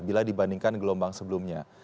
bila dibandingkan gelombang sebelumnya